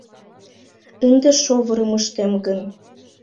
Ынде шовырым ыштем гын